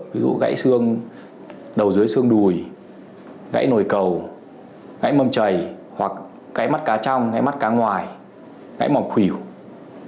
ví dụ gãy xương đầu dưới xương đùi gãy nồi cầu gãy mâm trầy hoặc gãy mắt cá trong gãy mắt cá ngoài gãy mỏm khủy hữu